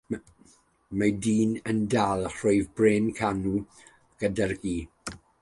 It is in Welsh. Mae dyn yn dal rhwyf bren canŵ gyda'i gi.